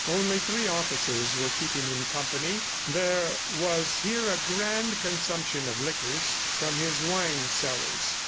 Only three officers were keeping him company. ... There was here a grand consumption of liquors from his wine cellars.